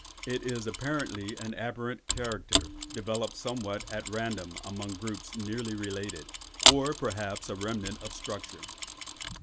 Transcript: It is apparently an aberrant character developed somewhat at random among groups nearly related, or perhaps a remnant of structure.